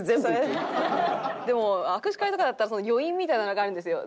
でも握手会とかだったら余韻みたいなのがあるんですよ。